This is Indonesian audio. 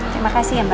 terima kasih ya mbak